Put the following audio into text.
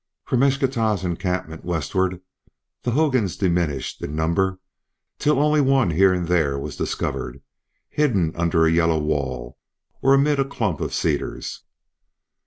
From Eschtah's encampment westward the hogans diminished in number till only one here and there was discovered, hidden under a yellow wall, or amid a clump of cedars.